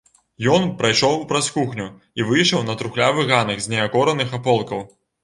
Ён прайшоў праз кухню і выйшаў на трухлявы ганак з неакораных аполкаў.